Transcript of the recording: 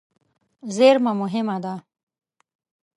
زېرمه مهمه ده.